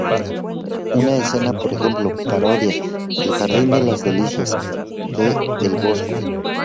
Una escena, por ejemplo, parodia "El jardín de las delicias" de El Bosco.